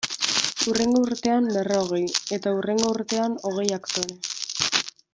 Hurrengo urtean berrogei, eta hurrengo urtean hogei aktore.